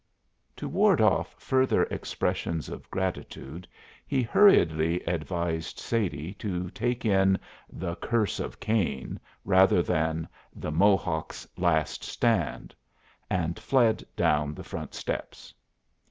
To ward off further expressions of gratitude he hurriedly advised Sadie to take in "The Curse of Cain" rather than "The Mohawks' Last Stand," and fled down the front steps.